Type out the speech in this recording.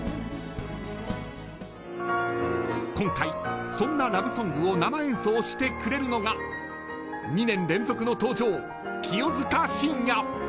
今回、そんなラブソングを生演奏してくれるのが２年連続の登場清塚信也。